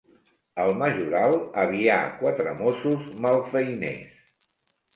El majoral avià quatre mossos malfeiners.